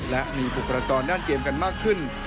และมีปรับประตอนด้านเกมกันมากขึ้น